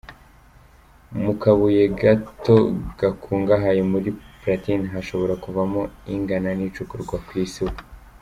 Mu kabuye gato gakungahaye muri platine, hashobora kuvamo ingana n’icukurwa ku isi ubu”.